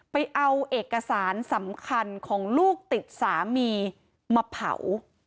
ไปเอาเอกสารสำคัญของลูกติดสามีมาเผา